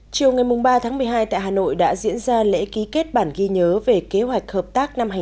chiều ngày ba tháng một mươi hai tại hà nội đã diễn ra lễ ký kết bản ghi nhớ về kế hoạch hợp tác năm hai nghìn hai mươi